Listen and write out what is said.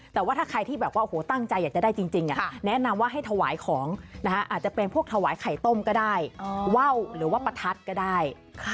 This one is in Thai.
แต่ว่าถ้าใครที่แบบว่าตั้งใจอยากจะได้จริงแนะนำว่าให้ถวายของอาจจะเป็นพวกถวายไข่ต้มก็ได้ว่าวหรือว่าประทัดก็ได้